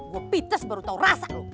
gue pites baru tau rasa